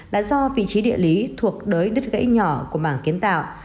là do vị trí địa lý thuộc đới đứt gãy nhỏ của mảng kiến tạo